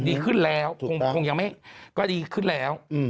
ดีขึ้นแล้วคงยังไม่ก็ดีขึ้นแล้ว